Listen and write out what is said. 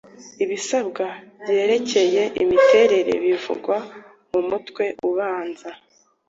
ibisabwa byerekeye imiterere bivugwa mu mutwe ubanza